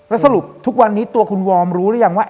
แล้วสรุปทุกวันนี้ตัวคุณวอร์มรู้หรือยังว่า